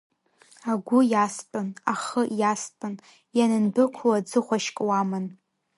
Агәы иастәын, ахы иастәын, ианындәықәла ӡыхәашьк уаман!